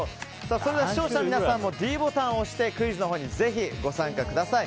それでは視聴者の皆さんもｄボタンを押してクイズのほうにご参加ください。